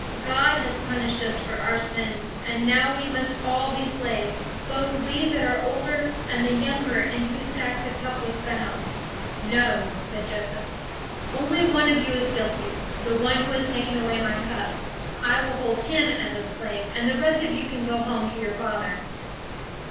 God has punished us for our sins; and now we must all be slaves, both we that are older, and the younger in whose sack the cup was found." [Illustration: "What wicked thing is this that you have done?"] "No," said Joseph. "Only one of you is guilty; the one who has taken away my cup. I will hold him as a slave, and the rest of you can go home to your father."